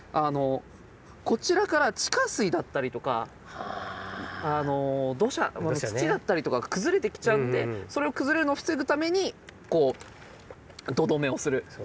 こちらから地下水だったりとかあの土砂土だったりとかが崩れてきちゃうんでそれが崩れるのを防ぐために土留めをする。